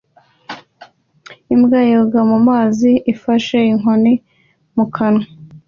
Imbwa yoga mu mazi ifashe inkoni mu kanwa